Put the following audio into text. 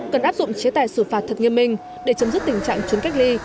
cần áp dụng chế tài xử phạt thật nghiêm minh để chấm dứt tình trạng trốn cách ly